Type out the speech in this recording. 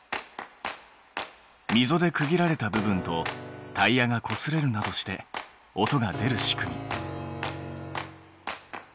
みぞで区切られた部分とタイヤがこすれるなどして音が出る仕組み。